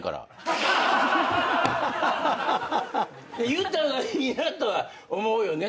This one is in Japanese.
言った方がいいなとは思うよね